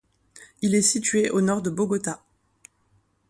Il est situé au nord de Bogota.